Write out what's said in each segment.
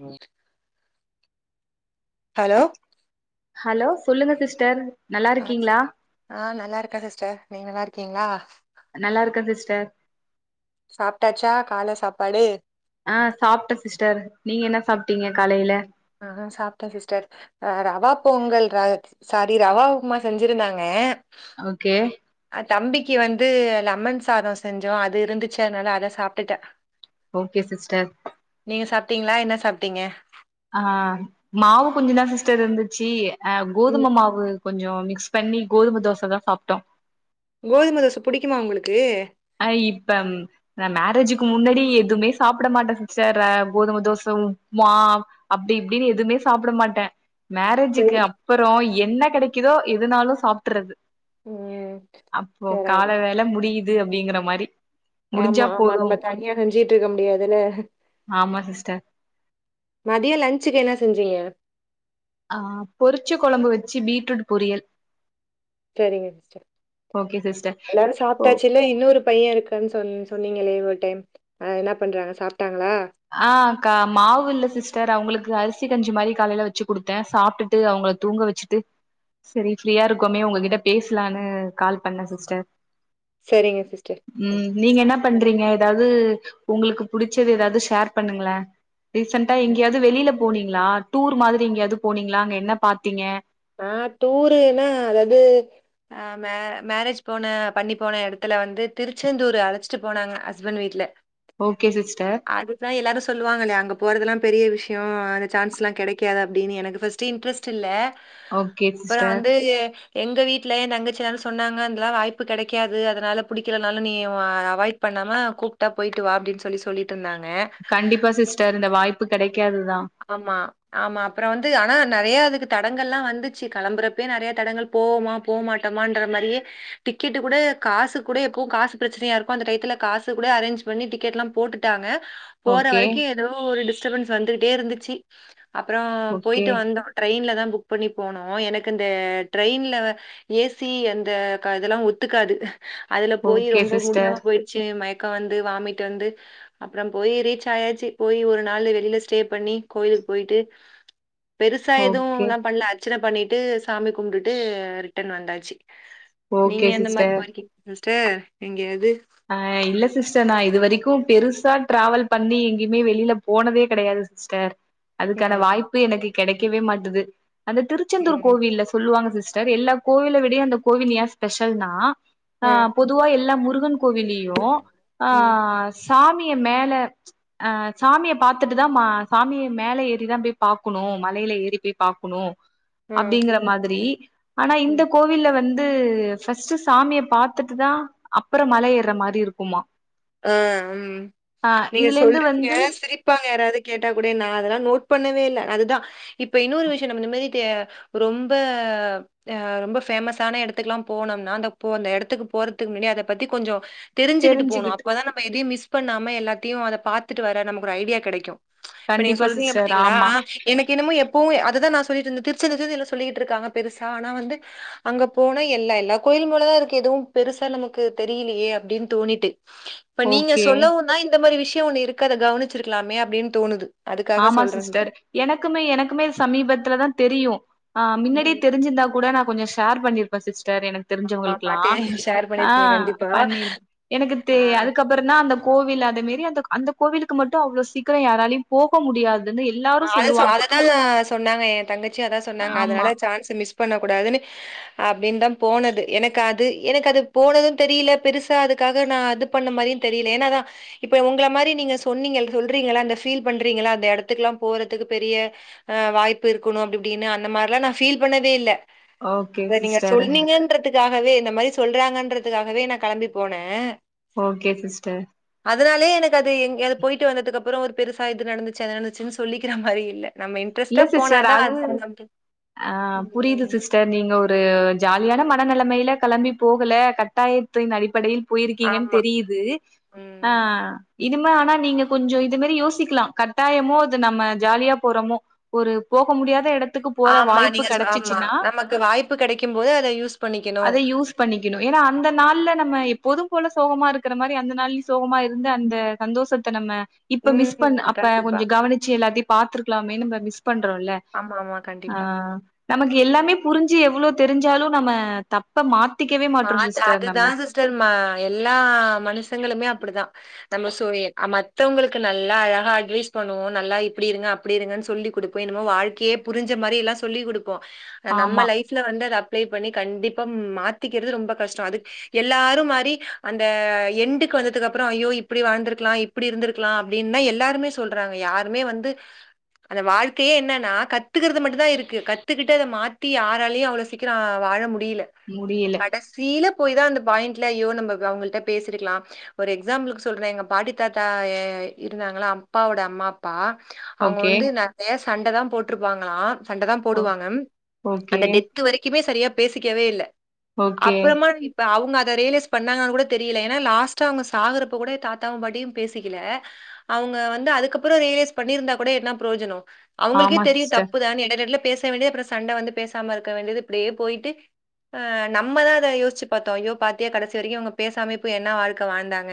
ஹ hello hello சொல்லுங்க sister நல்லா ஆ ச இருக்கீங்களா ஆ நல்லார்க்கே சிஸ்டர் நீங்க நல்லார்க்கீங்ளா நல்லார்க்கே சிஸ்டர் சாப்ட்டாச்சா கால சாப்பாடு ஆ சாப்ட்ட சிஸ்டர் நீங்க என்ன சாப்ட்டீங்க காலைல ஆ சாப்டே சிஸ்டர் அ ரவா பொங்கல் ர சாரி ரவா உப்புமா செஞ்சிருந்தாங்க ஓகே ஆ தம்பிக்கு வந்து லெமன் சாத செஞ்சோ அது இருந்துச்சு அதனால அத சாப்ட்டுட்ட ஓகே சிஸ்டர் நீங்க சாப்ட்டீங்ளா என்ன சாப்ட்டீங்க ஆ மாவு கொஞ்ச தா சிஸ்டர் இருந்திச்சி அ ம் கோதும மாவு கொஞ்சோ மிக்ஸ் பண்ணி கோதும தோச தா சாப்ட்டோ கோதும தோச புடிக்குமா உங்களுக்கு அ இப்ப நா மேரேஜுக்கு முன்னாடி எதுமே சாப்ட மாட்ட சிஸ்டர் ஆஹ் கோதும தோச உப்புமா அப்டி இப்டின்னு எதுமே சாப்ட மாட்ட மேரேஜுக்கு சரி அப்பற என்ன கெடைக்குதோ எதனாலு சாப்ட்றது ம் அப்போ கால சேரி வேல முடியுது அப்டிங்கிற மாரி முடிஞ்சா ஆமா ஆமா போது நம்ம தனியா செஞ்சுட்டு இருக்க முடியாதுல ஆமா சிஸ்டர் மதிய லன்ஞ்சுக்கு என்ன செஞ்சீங்க ஆஹ் பொறிச்சு கொழம்பு வச்சு பீட்ரூட் பொரியல் சேரிங்க சிஸ்டர் ஓகே சிஸ்டர் எல்லாரு ஓ சாப்ட்டாச்சுல்ல இன்னொரு பையன் இருக்குன்னு சொன்ன சொன்னீங்களே ஒரு டைம் என்ன பண்றாங்க சாப்ட்டாங்களா ஆ கா மாவு இல்ல சிஸ்டர் அவுங்களுக்கு அரிசி கஞ்சி மாரி காலைல வச்சு குடுத்த சாப்ட்டுட்டு அவுங்களுக்கு தூங்க வச்சுட்டு செரி ஃப்ரீயா இருக்கோமே உங்ககிட்ட பேசலாம்னு கால் பண்ண சிஸ்டர் சேரிங்க சிஸ்டர் சரி. ம் நீங்க என்ன சொல்லுங்க. பண்றீங்க ஏதாவது உங்களுக்கு புடிச்சது ஏதாவது ஷேர் பண்ணுங்கள ரீசென்டா எங்கயாவது வெளில போனீங்களா டூர் மாதிரி எங்கயாவது போனீங்களா அங்க என்ன பாத்தீங்க ஆ டூருன்னா அதாவது அஹ் மே மேரேஜ் போன பண்ணி போன இடத்துல வந்து திருச்செந்தூர் அழச்சிட்டு போனாங்க ஹஸ்பண்ட் வீட்ல ஓகே சிஸ்டர் அதுதா எல்லாரு சொல்லுவாங்கல்ல அங்க போறதெலா பெரிய விஷய அந்த சான்ஸ்லா கெடைக்காது அப்டின்னு எனக்கு ஃபஸ்ட்டு இண்ட்ரஸ்ட் டில்ல ஓகே அப்பற சிஸ்டர் வந்து எங்க வீட்ல எய தங்கச்சி எல்லா சொன்னாங்க அதுல்லா வாய்ப்பு கெடைக்காது அதனால புடிக்கலனாலு நீ அவாய்ட் பண்ணாம கூப்ட்டா போயிட்டு வா அப்டின்னு சொல்லி சொல்லிட்டு இருந்தாங்க கண்டிப்பா சிஸ்டர் இந்த வாய்ப்பு கெடைக்காதுதா ஆமா ஆமா அப்பற வந்து ஆனா நெறைய அதுக்கு தடங்கள் எலா வந்துச்சு கெளம்புற அப்பே நெறைய தடங்கள் போமா போ மாட்டமன்ற மாதிரியே டிக்கெட் கூட காசு கூட எப்போ காசு பிரச்சனையா இருக்கும் அந்த டயத்துல காசு கூட அரேஞ்ச் பண்ணி டிக்கெட் எல்லா போட்டுடாங்க போற ஓகே வரைக்கும் ஏதோ ஒரு டிஸ்டர்பன்ஸ் வந்துகிட்டே இருந்துச்சு அப்பற ஓகே போயிட்டு வந்தோ ட்ரெயின்ல தா புக் பண்ணி போனோ எனக்கு இந்த ட்ரெயின்ல ஏசி அந்த இதெல்லா ஒத்துக்காது அதுல போய் ஓகே ரொம்ப சிஸ்டர் முடியாம போயி ச்சு மயக்க வந்து வாமிட் வந்து அப்பற போய் ரீச் ஆயாச்சு போய் ஒரு நாள் வெளியில ஸ்டே பண்ணி கோயிலுக்கு போயிட்டு பெருசா ஓகே எதுவும்ல்லா பண்ல அது அர்ச்சன பண்ணிட்டு சாமி கும்டுட்டு ரிட்டன் வந்தாச்சு ஓகே நீங்க எந்த மாரி சிஸ்டர் [unintelligible] சிஸ்டர் எங்கெயாவது ஆ இல்ல சிஸ்டர் நா இது வரைக்கும் பெருசா டிராவல் பண்ணி எங்கயுமே வெளியில போனதே கெடையாது சிஸ் சிஸ்டர் அதுக்கான ம். வாய்ப்பு எனக்கு கெடைக்கவே மாட்டுது அந்த திருச்செந்தூர் ம். கோவில்ல சொல்லுவாங்க சிஸ்டர் எல்லா கோவில்ல விடயு அந்த கோவில் எய ஸ்பெசல்னா ஆ. பொதுவா எல்லா முருகன் கோவிலயு ஆ ம். சாமிய மேல ஆ சாமிய பாத்துட்டுதா அ சாமிய மேல ஏறிதா பாக்கணும் மலையில ஏறி போய் பாக்கணும் ஆ. அப்டிங்கறப்ப மாதிரி ஆனா இந்த ம். கோவில்ல வந்து ஃபர்ஸ்ட் சாமிய பாத்துட்டு தா அப்பற மல ஏற மாரி இருக்குமா ஆ ம் ஆ நீங்க இதுலேந்து சொல்றீங்க வந்து சிரிப் ப்பாங்க யாராது கேட்டா கூடே நா அதெல்லா கூட நோட் பண்ணவே இல்ல அதுதா இப்ப இன்னொரு விஷயம் நம்ம இந்தமாரி தே ரொம்ப ஆ ரொம்ப ஃபேமஸ்ஸான எடத்துக்குல்லா போனோம்னா அந்த போ அந்த எடத்துக்கு போறதுக்கு முன்னாடி அத பத்தி கொஞ்சோ தெரிஞ்சுக்கிட்டு போணு அப்பதா நம்ம எதையு மிஸ் பண்ணாம எல்லாத்தையு அத பாத்துட்டு வர நமக்கு ஒரு ஐடியா கெடைக்கு இப்ப நீங்க கண்டிப்பா சொல்றீங்க சிஸ்டர் பாத்தீங்களா ஆமா ஆ எனக் கு என்னமோ எப்பவு அததா நா சொல்லிட்டு இருந்த திருச்செந்தூர் திருச்செந்தூர் எல்லா சொல்லிட்டு இருக்காங்க பெருசா ஆனா வந்து அங்க போனா எல்லா எல்லா கோயிலுங்களு தா இருக்கு எதுவும் பெருசா நமக்கு தெரியிலியே அப்டினு தோணிட்டு இப்ப நீங்க ஓகே சொல்லவுந்தா இந்த மாரி விஷய ஒண்ணு இருக்கு அத கவனிச்சிருக்கலாமே அப்டின்னு தோணுது அதுக்காக ஆமா சொல்றே சிஸ்டர் எனக்குமே எனக்குமே சமீபத்துல தா தெரியு ஆ முன்னாடியே ம் தெரிஞ்சிருந்தா கூட நா கொஞ்ச ஷேர் பண்ணிருப்பே சிஸ்டர் எனக் ஆமா தெருஞ்சவுங்களுக்கெல்லா பாத்து ஷேர் ஆ பண்ணிருக்கீங்க கண்டிப்பா பண்ணிரு எனக்கு தெ ஆ அதுக்கப் புறந்தா அந்த கோவில் அத மேரி அந்த அந்த கோவிலுக்கு மட்டு அவ்ளோ சீக்கிர யாராலியும் போக முடியாதுன்னு எ ஆ அத சொ அததாங்க சொன்னாங்க ஏ தங்கச்சியு அதா சொன்னாங்க ஆமா அதனால சான்ஸ் மிஸ் பண்ணக் கூடாதுன்னு அப்டினு தா போனது எனக்கு அது எனக்கு அது போனதுன்னு தெரில பெருசா அதுக்காக நா அது பண்ண மாரியு தெரியல ஏன்னா அதா இப்ப உங்கள மாரி நீங்க சொன்னீங்க சொல்றீங்கள அந்த ஃபீல் பண்றீங்கள அந்த எடத்துக்கெல்லா போறதுக்கு பெரிய ஆ வாய்ப்பு இருக்குணு அப்டி இப்டினு அந்த மாரில்லா நா ஃபீல் பண்ணதே இல்ல ஓகே இத நீங்க சிஸ்டர் சொன்னீங்கன் றதுக்காகவே இந்த மாரி சொல்றாங்கன்றதுக்காகவே நா கெளம்பி போன ஓகே சிஸ்டர் அதனாலேயே எனக்கு அது எங்கயாது போயிட்டு வந்ததுக்கப்புற ஒரு பெருசா இது நடந்துச்சு அது நடந்துச்சுன் சொல்லிக்கற மாரி இல்ல நம்ம இன் இல்ல சிஸ்டர் அது ஆ புரியுது ம் சிஸ் டர் நீங்க ஒரு ஜாலியான மனநெலமையில கெளம்பி போகல கட்டாயத்தின் அடிப்படையில் போயிருக்கீங்கன்னு ஆமா. தெரியுது ஆ ம். இனுமா ஆனா நீங்க கொஞ்ச இது மாரி யோசிக்கலா கட்டாயமோ அது நம்ம ஜாலியா போறோமோ ஒரு போக முடியாத எடத்துக்குப் ஆமா நீங்க சொ ஆமா நமக்கு வாய்ப்பு கெடைக்கும் போது யூஸ்‌ பண்ணிக்கனு பண்ணிக்கனு ஏன்னா அந்த நாள்ல நம்ம எப்போதும் போல சோகமா இருக்கிற மாரி அந்த நாள்லயு சோகமா இருந்து அந்த சந்தோஷத்த நம்ம இப்ப மிஸ் பண்ண ம். அப்ப கொஞ்ச கண்டிப்பா. கவனிச்சு எல்லாத்தையு பாத்துருக்கலாமேனு நம்ம மிஸ் பண்றோல்ல ஆமாமா. கண்டிப்பா. ஆ நமக்கு எல்லாமே புரிஞ்சு எவ்வளோ தெரிஞ்சாலு நம்ம தப் ப மாத்திக்கவே மாட்றோ மாத் சிஸ்டர் அதுதா நம்ம சிஸ்டர் ம எல்லா மனுஷங்களுமே அப்டிதா நம்ம சொ ஏ மத்தவங்களுக்கு நல்லா அழகா அட்வைஸ் பண்ணுவோ நல்லா இப்டி இருங்க அப் டி இருங்கன்னு சொல்லி குடுப்போ என்னமோ வாழ்க்கையே புரிஞ்ச மாரி எல்லா சொல்லிக் குடுப்போ ஆ ஆமா நம்ம லைஃப்ல வந்து அத அப்ளை பண்ணி கண்டிப்பா மாத்திக்கறது ரொம்ப கஷ்டோ அது எல்லாரும் மாரி அந்த எண்டுக்கு வந்ததுக்கு அப்புற ஐயோ இப்டி வாழ்ந்துருக்கலா இப் இப்டி இருந்துருக்கலா அப்டின்தா எல்லாருமே சொல்றாங்க யாருமே வந்து அந்த வாழ்க்கையே என்னன்னா கத்துக்கறது மட்டுந்தா இருக்கு கத்துக்கிட்டு அத மாத்தி யாராலையு அவ்ளோ சீக்கிர வாழ முடியல முடியல் கடைசீல போய் தா அந்த பாயிண்ட்ல ஐயோ நம்ப அவுங்கள்ட்ட பேசிருக்கலா ஒரு எக்ஸாம்பிளுக்கு சொல்றே எங்க பாட்டி தாத்தா ஏ இருந்தாங்களே அப்பாவோட அம்மா ப்பா அவங்க ஓகே வந்து நறைய சண்டதா போட்ருப்பாங்களா சண்டதா ஓ போடுவாங்க ஓகே அந்த டெத்து வரைக்குமே சரியா பேசிக்கவே இல்ல ஓகே அப்பறமா இப் ப அவங்க அதை ரியலைஸ் பண்ணாங்களானு கூட தெரியல ஏன்னா லாஸ்டா அவங்க சாகறப்ப கூட தாத்தாவு பாட்டியு பேசிக்கல அவங்க வந்து அதுக்கப்பறோ ரியலைஸ் பண்ணிருந்தா கூட என்ன பிரோஜனம் அவங்களுக்கே ஆமா தெரியு சிஸ்டர் தப்புதான்னு எட எடத்துல பேச வேண்டியது அப்றோ சண்ட வந்து பேசாம இருக்க வேண்டியது இப்டியே போயிட்டு அ நம்மதா அத யோசிச்சி பாத்தோ ஐயோ பாத்தியா கடைசி வரைக்கு இவங்க பேசமாயேப்போய் என்ன வாழ்க்க வாழ்ந்தாங்க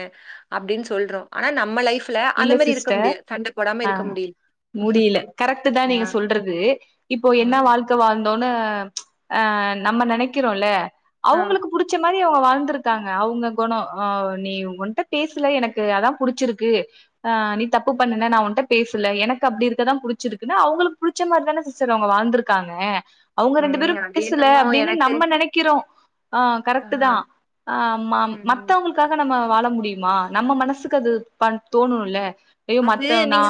அப்டின்னு சொல்றோ ஆனா நம்ம லைஃப்ல அந்த இல்ல மாரி இருக்க சிஸ்டர் முடியாது சண்ட போடாம ஆ இருக்க முடி முடியல கரெக்ட்தா நீங்க சொல்றது இப்போ அ, என்ன வாழ்க் க வாழ்ந்தோன்னு அ நம்ம நெனைக்கிறோ இல்ல ஆ, அவங்களுக்கு புடிச் ச்ச மாரி அவங்க வழ்ந்திருக்காங்க அவங்க குணோ அ நீ உன்ட்ட பேசல எனக்கு அதா புடிச்சிருக்கு ஆ நீ தப்பு பண்ணுன நா உன்ட்ட பேசல எனக்கு அப்டி இருக்கதா புடிச்சிருக்குன்னு அவங்களுக்கு புடி ச்ச மாரிதான சிஸ்டர் அவங்க வாழ்ந்திருக்காங்க அவங்க ரெண்டு பேரு ம். அது பேசல என்னமோ அப்டின்னு எனக்கு நம்ம நெனைக்கிறோ ஆ கரெக்ட்தா ஆ ம ம். மத்தவங்களு க்க நம்ம வாழ முடியுமா நம்ம மனசுக்கு அது ப தோணுல்ல ஐயோ மத்த நா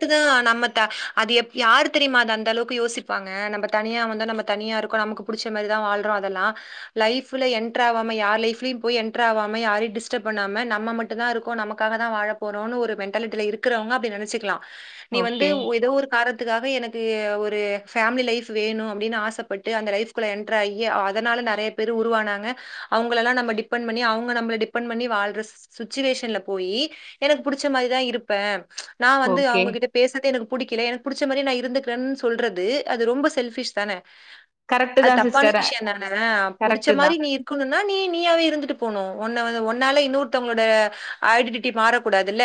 ட்டுதா நம்ம த அது எப் யாரு தெரியுமா அது அந்தளவுக்கு யோசிப்பாங்க நம்ம தனியா வந்தா நம்ம தனியா இருக்க நமக்கு புடிச்ச மாரிதா வாழ்றோ அதெல்லா லைஃப்ல என்டர் ஆவாம யாரு லைப்லயு போய் என்டர் ஆவாம யாரையு டிஸ்டர் பண்ணாம நம்ம மட் டுதா இருக்கோ நமக்காகதா வாழப்போறோனு ஒரு மென் டாலிட்டில இருக்கிறவங்க அப்டி நெனைச்சுக்லா நீ வந்து ஓகே ஏதோ ஒரு காரண த்துகாக எனக்கு ஒரு ஃபேமிலி லைஃப் வேணு அப்டின்னு ஆசைப்பட்டு அந்த லைஃப்க்குள்ள என்டர் ஆகி அதனால நறைய பேரு உருவானாங்க அவங்களல்லா நம்ம டிபெண்ட் பண்ணி அவங்க நம்ம டிபெண்ட் பண்ணி வாழ்ற சுச்சுவேஷன்ல போயி எனக்கு புடிச்ச மாரிதா இருப்பே நா வந்து ஓகே அவங்ககிட்ட பேசுறது எனக்கு புடிக்கல எனக்கு புடிச்ச மாரியே நா இருந்துக்கிறன்னு சொல்றது அது ரொம்ப செல்பிஷ் தானே கரெக்ட் அது தா தப்பான சிஸ்டர் விஷயந்தான புடிச்ச கரெக்ட் தா மாரி நீ இரு க்குணுனா நீ நீயாவே இருந்துட்டு போனு ஒன்ன வ ஒன்னால இன்னொருத்தவங்களோட ஐடென்டிட்டி மாறக்கூடாதுல்ல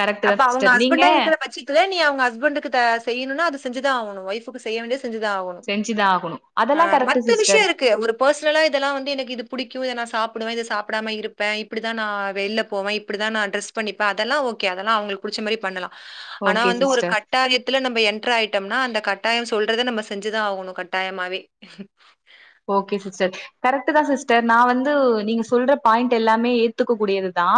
கரெக்ட் தா அப்ப அவங்க சிஸ்டர் நீங்க ஹஸ்பண்டா இருக்கிற பட்ச த்துல நீ அவங்க ஹ்ஸ்பெண்டுக்கு த செய்யணுனா அது செஞ்சதா ஆவணு ஒய்ஃப்க்கு செய்ய வேண்டிய செஞ்சுதா ஆவ செஞ்சுதா ஆகணு ஆ அதெல்லா கரெக்ட் மத்த விஷயம் சிஸ்டர் இருக்கு ஒரு பர்சனலா இதெல்லா வந்து எனக்கு இது புடிக்கு இத நா சாப்புடுவே இத சாப்புடாம இருப்பே இப்டிதா நா வெளில போவே இப்டிதா நா ட்ரெஸ் பண்ணிபே அதெல்லா ஓகே அதெல்லா அவுங்களுக்கு புடிச்ச மாரி பண்ணலா ஆனா ஓகே வந்து ஒரு சிஸ்டர் கட் டாயத்துல நம்ம என்டர் ஆயிட்டோம்னா அந்த கட்டாயம் சொல்றத நம்ம செஞ்சுதா ஆவணு கட்டாயமாவே ஓகே சிஸ்டர் கரெக்ட்டுதா சிஸ்டர் நா வந்து நீங்க சொல்ற பாயிண்ட் எல்லாமே ஏத்துக்க கூடியதுதா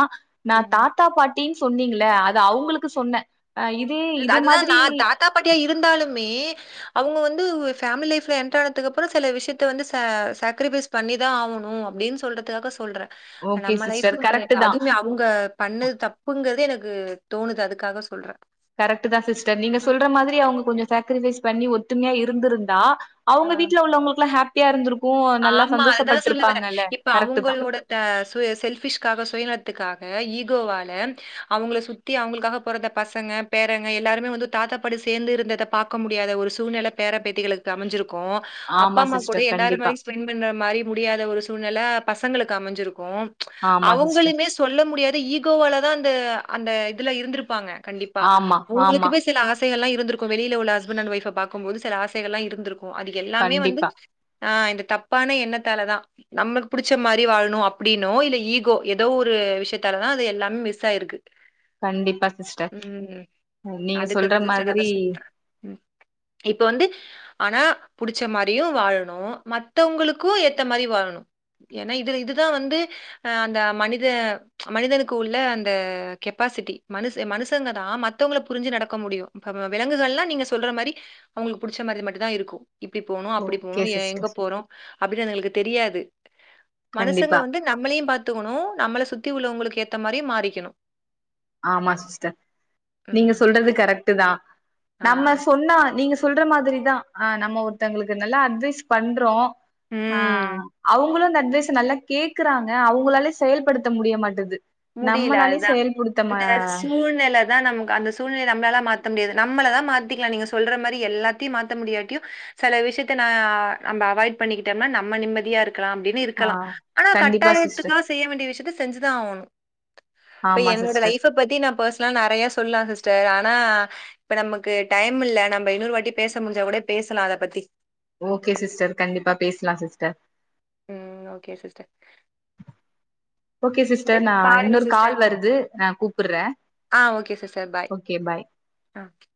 நா ம். தாத்தா பாட்டின்னு சொன்னீங்களே அது அவுங்களுக்கு சொன்னே ஆ இப் அது அதுதா நா தாத்தா பாட்டியா இருந்தாலுமே அவுங்க வந்து ஃபேமிலி லைஃப்ல என்டர் ஆனதுக்கு அப்பறோ சில விஷயத்த வந்து ச சாக்ரிபைஸ் பண்ணிதா ஆவணு அப்டினு சொல்றதுக்காக சொல்ற ஓகே நம்ம சிஸ்டர் லைஃப்புனு கரெக்ட் கெடையாது தான் அதுமே அவுங்க பண்ணது தப்புங்கறதே எனக்கு தோணுது அதுக்காக சொல்ற கரெக்ட்தா சிஸ்டர் நீங்க சொல்ற மாதிரி அவுங்க கொஞ்சோ சாக்ரிபைஸ் பண்ணி ஒத்துமையா இருந்துருந்தா ஆ அவுங்க வீட்ல உள்ளவங்களுக்குல்லா ஹாப்பியா இருந்துருக்கு நல்லா ஆமா சந்தோஷப்பட்டுருப்பாங்கல்ல கரெக்ட்தா ட சு செல்ஃபிஷ்காக சுயநலத்துக்காக ஈகோவால அவுங்கள சுத் தி அவுங்களுக்காக பொறந்த பசங்க பேரங்க எல்லாருமே வந்து தாத்தா பாட்டி சேந்து இருந்தத பாக்க முடியாத ஒரு சூழ்நெல பேர பேத்திகளுக்கு அமஞ்சிருக்கு அப்பா ஆமா அம்மா கூட சிஸ்டர் எல்லாரு கண்டிப்பா மாரி ஸ்பெண்ட் பண்ற மாரி முடியாத ஒரு சூழ்நெல பசங்களுக்கு அமைஞ்சிருக்கு ச் ஆமா சிஸ்டர் அவுங்களுமே சொல்ல முடியாது ஈகோவால தா அந்த அந்த இதுல இருந்திருப்பாங்க கண்டிப்பா ஆமா அவுங்களுக்கு ஆமா பேஸ் சில ஆசைகள் எல்லா இருந்திருக்கு வெளியில உள்ள ஹஸ்பண்ட் அண்ட் ஒய்ஃப்ப பாக்கும்போது சில ஆசைகள் எல்லா இருந்திருக்கு அது எல்லாமே வந்து கண்டிப்பா ஆ இந்த தப்பான எண்ணத்தால தா நம்மளுக்கு புடிச்ச மாரி வாழணு அப்டின்னோ இல்ல ஈகோ ஏதோ ஒரு விஷயத்தாலதா அது எல்லாமே மிஸ் ஆயிருக்கு கண்டிப்பா சிஸ்டர் ம். நீங்க அதுக்கு சொல்ற தான் சிஸ்டர் அத மாதிரி சொல்றேன். ம். இப்ப வந்து ஆனா புடிச்ச மாரியு வாழணு மத் மத்தவங்களுக்கு ஏத்த மாரி வாழணு ஏன்னா இது இதுதா வந்து அ அந்த மனித ச் மனிதனுக்கு உள்ள அந்த கெப்பாசிட்டி மனுஷ மனுஷங்க தா ம மத்தவங்கள புரிஞ்சு நடக்க முடியு விலங்குகள் எல்லா நீங்க சொல்ற மாரி அவுங்களுக்கு புடிச்ச மாரிதா மட்டு தா இருக்கு இப்டி போனு அப்டி ஓகே போகணு எங்க சிஸ்டர் போறோ அப்டினு அதுங்களுக்கு தெரியாது மனுசங்க கண்டிப்பா வந்து நம்மளையு பாத்துக்கணு நம்மள சுத்தி உள்ளவங்களுக்கு ஏத்த மாரியு மாறிக்கணு ஆமா சிஸ்டர் நீங்க ம். சொல்றது அது கரெக்டு தா ஆ. நம்ம சொன்னா நீங்க சொல்ற மாதிரி தா ஆ நம்ம ஒருத்தவங்களுக்கு நல்லா அட்வைஸ் பண்றோ ஆ ம். அவுங்களு அந்த அட்வைஸ் நல்லா கேக்குறாங்க அவுங்களாலே செயல்படுத்த முடிய மாட்டது நம்மளாலே செயல்படுத் அ சூழ்நெல தா நம அந்த சூழ்நெல நம்மளால மாத்த முடியாது நம்மளதா மாத்திக்கலா நீங்க சொல்ற மாரி எல்லாத்தையு மாத்த முடியாட்டியு செல விஷயத்த ந நம்ம அவாய்ட் பண்ணிக்கிட்டோம்னா நம்ம நிம்மதியா இருக்கலா அப்டி ஆ இருக்கலா ஆனா கண்டிப்பா சிஸ்டர் கட்டாயத்துக்காக செய்ய வேண்டிய விஷயத்த செஞ்சுதா ஆவுணு இப்ப ஆமா என்னோட சிஸ்டர் லைஃப் பத்தி நா பர்சனலா நறையா சொல்லலா சிஸ்டர் ஆனா இப்ப நமக்கு டைம் இல்ல நம்ம இன்னொரு வாட்டி பேச முடிஞ்சா கூட பேசலா அத பத்தி ஓகே சிஸ்டர் கண்டிப்பா பேசலா சிஸ்டர் ம் ஓகே சிஸ்டர் ஓகே சிஸ்டர் நா பாருங்க இன்னொரு கால் சிஸ்டர் வருது நா கூப்புறே ஆ ஓகே சிஸ்டர் பாய் ஒ கே